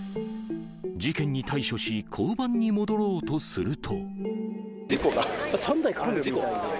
事件に対処し、交番に戻ろうとすると。